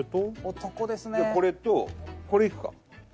これとこれいくか。